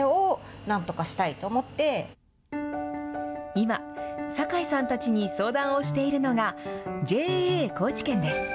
今、酒井さんたちに相談をしているのが、ＪＡ高知県です。